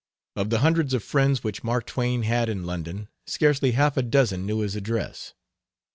Of the hundreds of friends which Mark Twain had in London scarcely half a dozen knew his address.